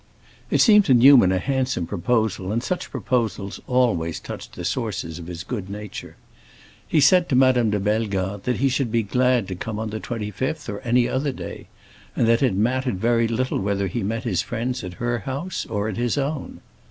It seemed to Newman a handsome proposal, and such proposals always touched the sources of his good nature. He said to Madame de Bellegarde that he should be glad to come on the 25th or any other day, and that it mattered very little whether he met his friends at her house or at his own.